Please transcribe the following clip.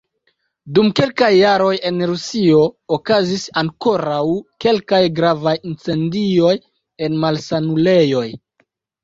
Dum kelkaj jaroj en Rusio okazis ankoraŭ kelkaj gravaj incendioj en malsanulejoj.